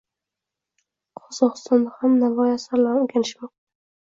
Qozgʻogʻistonda ham Navoiy asarlarini oʻrganishmoqda.